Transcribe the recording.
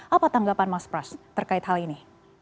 apa tanggapan mas pras terkait hal ini